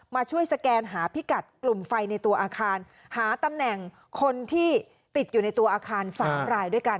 มาช่วยสแกนหาพิกัดกลุ่มไฟในตัวอาคารหาตำแหน่งคนที่ติดอยู่ในตัวอาคาร๓รายด้วยกัน